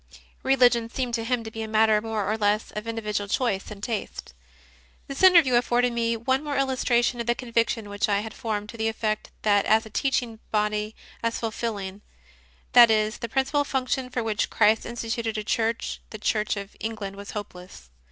Religion seemed to him to be a matter more or less of indi vidual choice and tastes. This interview afforded me one more illustration of the conviction which I had formed to the effect that as a Teaching Body as fulfilling, that is, the principal function for which Christ instituted a Church the Church of England was hopeless.